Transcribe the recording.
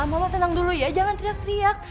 mama tenang dulu ya jangan teriak teriak